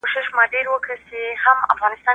زه به اوږده موده د تکړښت لپاره تللي وم!.